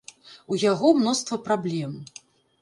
У яго мноства праблем.